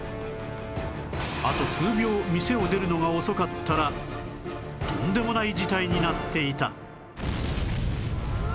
あと数秒店を出るのが遅かったらとんでもない事態になっていた